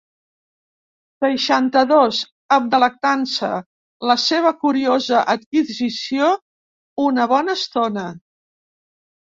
Seixanta-dos amb delectança la seva curiosa adquisició una bona estona.